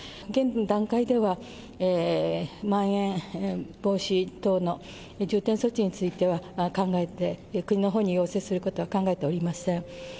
現段階では、まん延防止等の重点措置については考えて、国のほうに要請することは考えておりません。